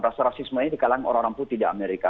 rasa rasismenya di kalangan orang orang putih di amerika